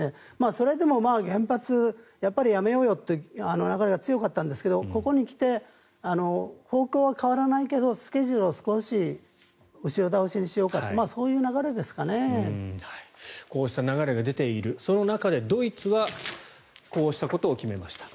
それでも原発、やめようよという流れが強かったんですがここへ来て方向は変わらないけどスケジュールを後ろ倒しにしようかとこうした流れが出ているその中でドイツはこうしたことを決めました。